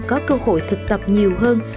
có cơ hội thực tập nhiều hơn